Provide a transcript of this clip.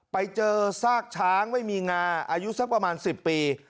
ไปเจอซากช้างไม่มีงาอายุสักประมาณ๑๐ปี